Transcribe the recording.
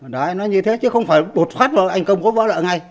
đấy nó như thế chứ không phải bột phát vào anh công góp vỡ nợ ngay